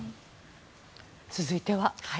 続いては。